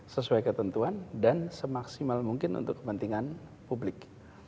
sesuai ketentuan dan semaksimal mungkin untuk kepentingan publik